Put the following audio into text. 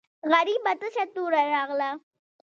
غریبه تشه توره راغله.